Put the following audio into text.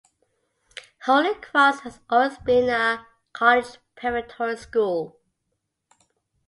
Holy Cross has always been a college preparatory school.